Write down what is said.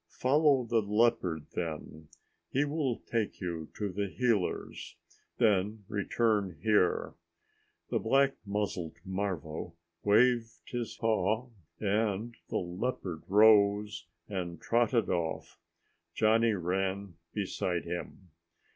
"Follow the leopard, then. He will take you to the healers. Then return here." The black muzzled marva waved his paw and the leopard rose and trotted off. Johnny ran beside him.